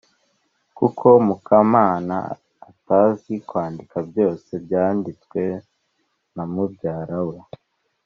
kuko mukamana atazi kwandika byose byanditswe na mubyara we ;